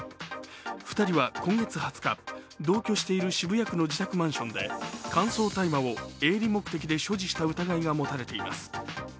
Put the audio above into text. ２人は今月２０日、同居している渋谷区の自宅マンションで乾燥大麻を営利目的で所持した疑いが持たれています。